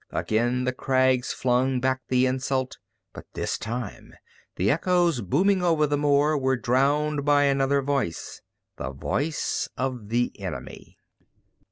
Again the crags flung back the insult, but this time the echoes, booming over the moor, were drowned by another voice, the voice of the enemy.